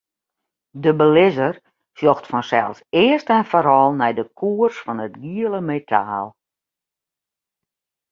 De belizzer sjocht fansels earst en foaral nei de koers fan it giele metaal.